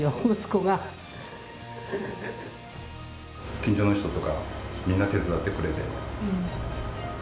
近所の人とかみんな手伝ってくれて。